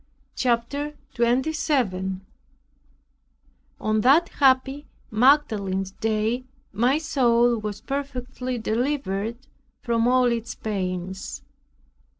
CHAPTER 27 On that happy Magdalene's Day my soul was perfectly delivered from all its pains.